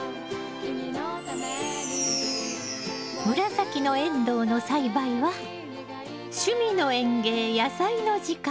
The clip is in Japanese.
紫のエンドウの栽培は「趣味の園芸やさいの時間」